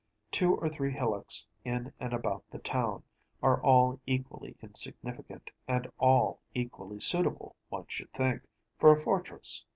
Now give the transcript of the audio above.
Two or three hillocks in and about the town are all equally insignificant, and all equally suitable, one should think, for a fortress.